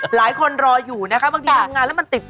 หลายคนรออยู่นะคะบางทีมันงานแล้วมันติด